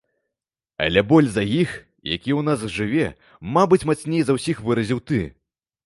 Але боль за іх, які ў нас жыве, мабыць, мацней за ўсіх выразіў ты.